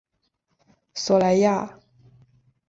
索莱亚。